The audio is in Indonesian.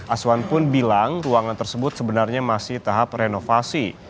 aswan pun bilang ruangan tersebut sebenarnya masih tahap renovasi